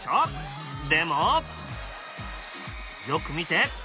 でもよく見て。